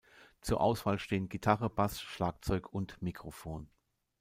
Zur Auswahl stehen Gitarre, Bass, Schlagzeug und Mikrofon.